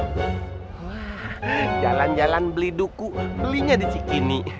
jalan jalan beli duku belinya di cikini